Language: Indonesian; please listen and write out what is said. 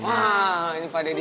wah nyempa daddy